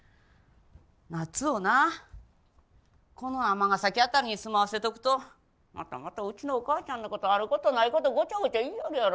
ナツをなこの尼崎辺りに住まわせとくとまたまたうちのお母ちゃんの事ある事ない事ゴチャゴチャ言いよるやろ。